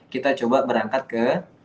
kita coba berangkat ke